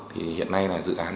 thì hiện nay là dự án